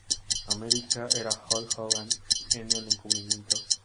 America era Hulk Hogan en el encubrimiento.